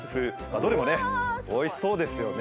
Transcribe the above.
どれもねおいしそうですよね。